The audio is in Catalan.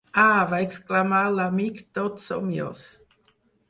-Ah!- va exclamar l'amic tot somiós.